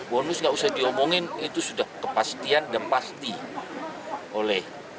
bonus nggak usah diomongin itu sudah kepastian dan pasti oleh